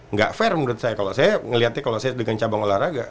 nggak fair menurut saya kalau saya melihatnya kalau saya dengan cabang olahraga